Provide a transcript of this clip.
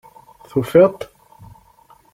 Tufiḍ-t?